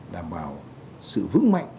đảm bảo sự vững mạnh